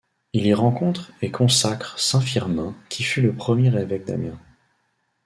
Ils y rencontrent et consacrent saint Firmin qui fut le premier évêque d'Amiens.